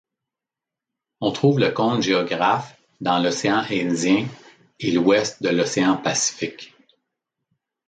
On trouve le cône géographe dans l'océan Indien et l'ouest de l'océan Pacifique.